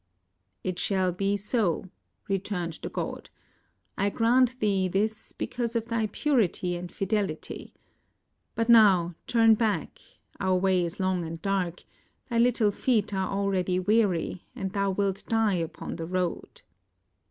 "It shall be so," returned the god. "I grant thee this because of thy purity and fidelity; but now turn back; our way is long and dark, thy little feet are already weary, and thou wilt die upon the road."